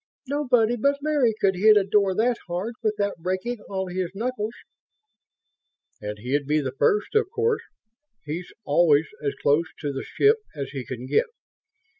"Nobody but Larry could hit a door that hard without breaking all his knuckles!" "And he'd be the first, of course he's always as close to the ship as he can get.